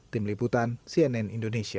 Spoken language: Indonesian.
tim liputan cnn indonesia